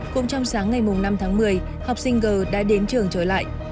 cũng trong sáng ngày năm tháng một mươi học sinh g đã đến trường trở lại